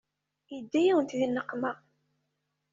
Yedda-yawent di nneqma.